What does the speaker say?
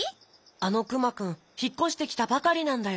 あのクマくんひっこしてきたばかりなんだよ。